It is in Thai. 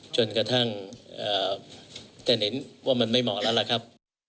จนกระทั่งท่านเห็นว่ามันไม่เหมาะแล้วล่ะครับ